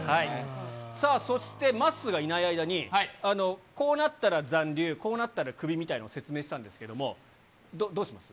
さあ、そしてまっすーがいない間に、こうなったら残留、こうなったらクビみたいな説明したんですけれども、どうします？